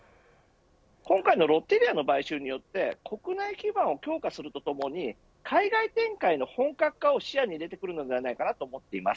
今回のロッテリアの買収によって国内基盤を強化するとともに海外展開の本格化も視野に入れてくると思います。